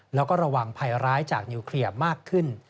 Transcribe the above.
แล้วก็ระวังภัยร้ายจากนิวเคลียร์มากขึ้น